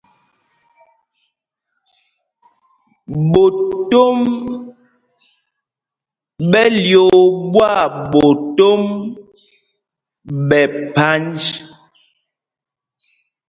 Ɓotōm ɓɛ lyōō ɓwâɓotōm ɓɛ phanj.